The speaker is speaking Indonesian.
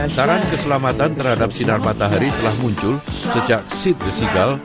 saran keselamatan terhadap sinar matahari telah muncul sejak seat the sigal